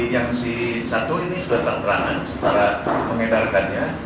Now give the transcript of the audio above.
yang si satu ini sudah terang terangan secara mengedarkannya